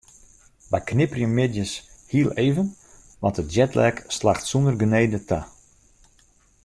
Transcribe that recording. Wy knipperje middeis hiel even want de jetlag slacht sûnder genede ta.